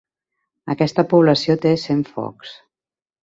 Aquesta població té cent focs.